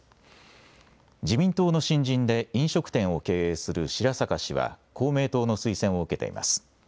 自民党の新人で飲食店を経営する白坂氏は公明党の推薦を受けています。